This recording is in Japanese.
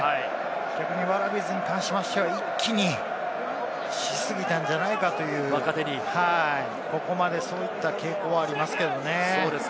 逆にワラビーズに関しては、一気に若手にしすぎたんじゃないかという、ここまでそういった傾向はありますけどね。